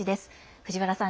藤原さん